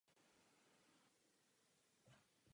Kromě scénografie se zabýval také malbou.